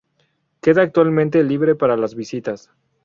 Queda actualmente libre para las visitas.